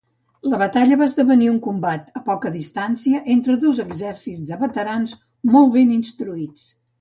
La batalla va esdevenir un combat a poca distància entre dos exèrcits de veterans molt ben instruïts.